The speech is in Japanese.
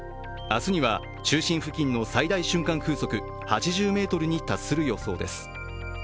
明日には中心付近の最大瞬間風速８０メートルに達する予想です。